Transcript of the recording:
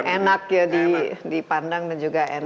enak ya dipandang dan juga enak